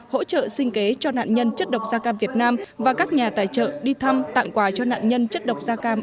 hỗ trợ sinh kế cho nạn nhân chất độc da cam việt nam và các nhà tài trợ đi thăm tặng quà cho nạn nhân chất độc da cam